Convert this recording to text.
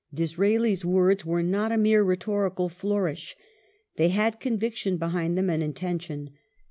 Disraeli's words were not a mere rhetorical flourish. They had conviction behind them and intention.